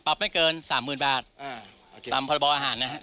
ปรับไม่เกินสามยืนบาทอ่าตามภรรยาสธรรมอาหารนะฮะ